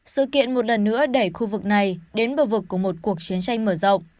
sự kiện một lần nữa đẩy khu vực này đến bờ vực của một cuộc chiến tranh mở rộng